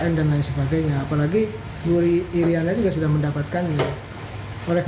merupakan penghargaan untuk kepala daerah